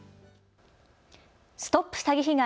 ＳＴＯＰ詐欺被害！